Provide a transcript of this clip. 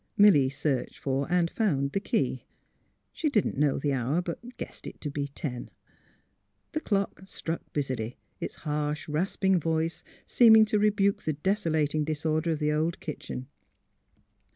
Milly searched for and found the key. She did not know the hour but guessed it to be ten. The clock struck busily, its harsh, rasping voice seeming to rebuke the desolating disorder of the old kitchen.